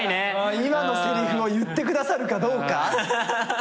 今のせりふを言ってくださるかどうか。